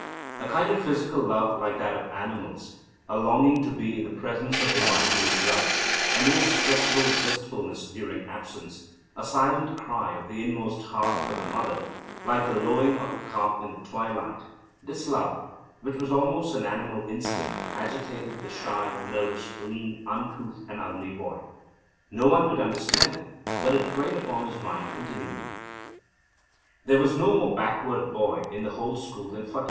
A kind of physical love like that of animals; a longing to be in the presence of the one who is loved; an inexpressible wistfulness during absence; a silent cry of the inmost heart for the mother, like the lowing of a calf in the twilight; this love, which was almost an animal instinct, agitated the shy, nervous, lean, uncouth and ugly boy. No one could understand it, but it preyed upon his mind continually. There was no more backward boy in the whole school than Phatik.